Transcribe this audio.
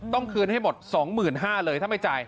ต้องคืนให้หมด๒๕๐๐๐บาทเลยถ้าไม่จ่าย